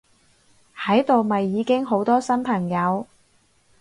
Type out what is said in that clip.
喺度咪已經好多新朋友！